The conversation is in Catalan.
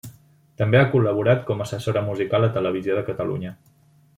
També ha col·laborat com assessora musical a Televisió de Catalunya.